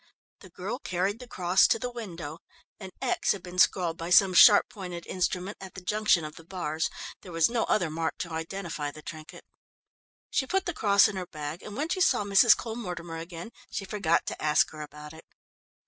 The girl carried the cross to the window; an "X" had been scrawled by some sharp pointed instrument at the junction of the bars. There was no other mark to identify the trinket. She put the cross in her bag, and when she saw Mrs. Cole Mortimer again she forgot to ask her about it.